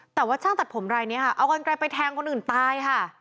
แต่ว่าช่างตัดผมอะไรเนี่ยค่ะเอาอังกฤษไปแทงคนอื่นตายค่ะ